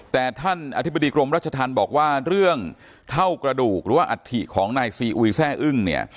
แต่ท่านอธิบดีกรมรัชธรรมบอกว่าเรื่องเถ้ากระดูกหรืออัฏฐิของนายศรีอุ๋ยแทร่อึ้ง